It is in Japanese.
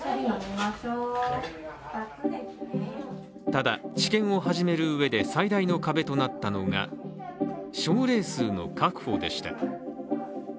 ただ、治験を始める上で最大の壁となったのが症例数の確保でした。